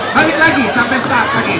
balik lagi sampai start lagi